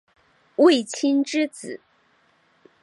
卫青之子。